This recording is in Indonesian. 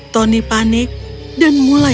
tony panik dan mulai